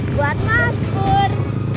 buat mas pur